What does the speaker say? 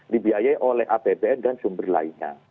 dibiayai oleh apbn dan sumber lainnya